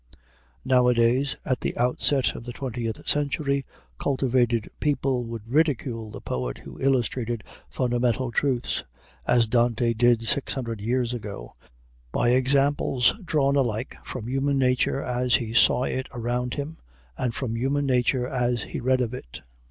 Nowadays, at the outset of the twentieth century, cultivated people would ridicule the poet who illustrated fundamental truths, as Dante did six hundred years ago, by examples drawn alike from human nature as he saw it around him and from human nature as he read of it.